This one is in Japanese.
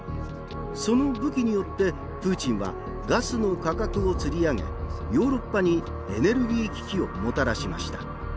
その武器によってプーチンはガスの価格をつり上げヨーロッパにエネルギー危機をもたらしました。